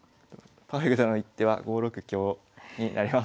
パーフェクトな一手は５六香になります。